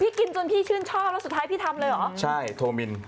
พี่กินจนพี่ชื่นชอบแล้วสุดท้ายพี่ทำเลยใช่มั้ย